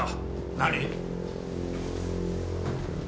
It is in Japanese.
何！？